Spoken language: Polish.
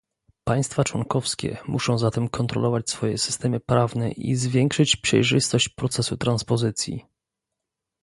Państwa członkowskie muszą zatem kontrolować swoje systemy prawne i zwiększyć przejrzystość procesu transpozycji